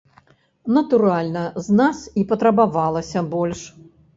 Натуральна, з нас і патрабавалася больш.